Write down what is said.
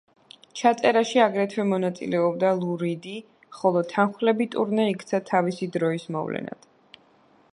ჩაწერაში აგრეთვე მონაწილეობდა ლუ რიდი, ხოლო თანმხლები ტურნე იქცა თავისი დროის მოვლენად.